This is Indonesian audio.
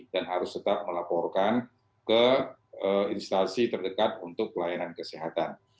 dan harus tetap melaporkan ke instansi terdekat untuk pelayanan kesehatan